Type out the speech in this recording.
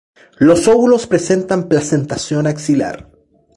Los óvulos presentan placentación axilar.